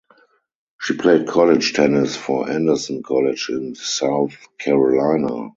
She played college tennis for Anderson College in South Carolina.